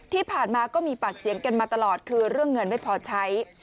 ที่ผ่านมาก็มีปากเสียงกันมาตลอดคือเรื่องเงินไม่พอใช้